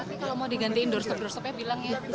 tapi kalau mau digantiin doorstop doorstopnya bilang ya